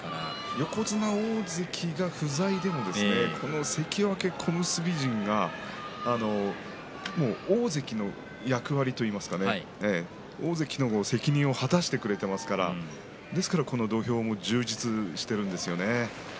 横綱、大関が不在でも関脇小結陣が大関の役割といいますか大関の責任を果たしてくれていますからこの土俵も充実しているんですよね。